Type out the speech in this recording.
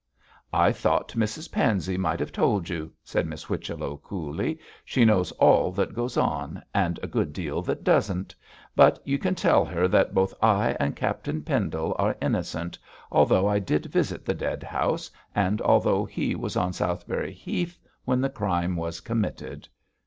'I thought Mrs Pansey might have told you!' said Miss Whichello, coolly. 'She knows all that goes on, and a good deal that doesn't. But you can tell her that both I and Captain Pendle are innocent, although I did visit the dead house, and although he was on Southberry Heath when the crime was committed.'